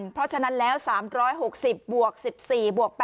เพราะฉะนั้นแล้ว๓๖๐บวก๑๔บวก๘